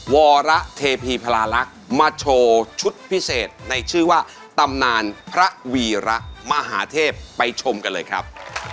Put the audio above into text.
วรเทพีพลาลักษณ์มาโชว์ชุดพิเศษในชื่อว่าตำนานพระวีระมหาเทพไปชมกันเลยครับ